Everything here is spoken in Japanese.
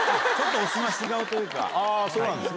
あっ、そうなんですね。